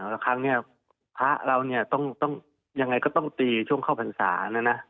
แล้วครั้งนี้พระเราเนี่ยต้องยังไงก็ต้องตีช่วงเข้าพรรษานะนะ